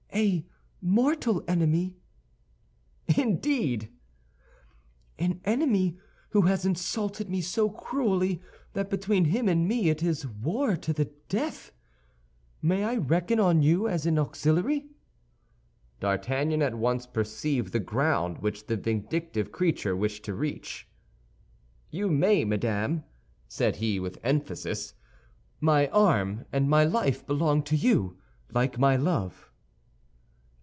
"A mortal enemy." "Indeed!" "An enemy who has insulted me so cruelly that between him and me it is war to the death. May I reckon on you as an auxiliary?" D'Artagnan at once perceived the ground which the vindictive creature wished to reach. "You may, madame," said he, with emphasis. "My arm and my life belong to you, like my love."